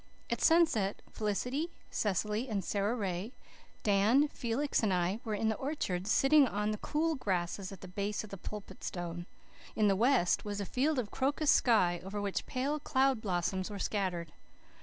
At sunset, Felicity, Cecily, and Sara Ray, Dan, Felix, and I were in the orchard, sitting on the cool grasses at the base of the Pulpit Stone. In the west was a field of crocus sky over which pale cloud blossoms were scattered.